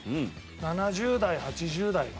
７０代８０代の。